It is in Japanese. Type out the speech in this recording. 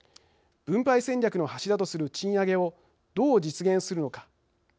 分配戦略の柱とする賃上げをどう実現するのか。